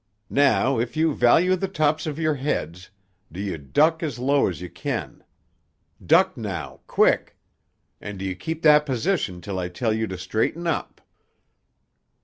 "Now, if you value the tops of your heads, do you duck as low as you can. Duck now, quick; and do you keep that position till I tell you to straighten up."